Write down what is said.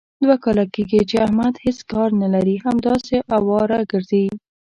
دوه کاله کېږي، چې احمد هېڅ کار نه لري. همداسې اواره ګرځي.